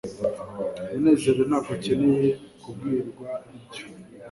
munezero ntabwo akeneye kubwirwa ibyo